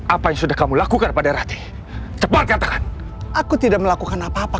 apa yang sudah kamu lakukan pada ratih tepat katakan aku tidak melakukan apa apa